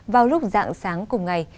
vào lúc dạng sáng cùng ngày